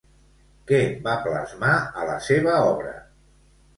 Què va plasmar a la seva obra?